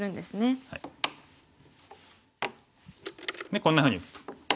でこんなふうに打つと。